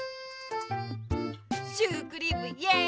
シュークリームイエイ！